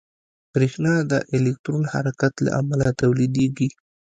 برېښنا د الکترون حرکت له امله تولیدېږي.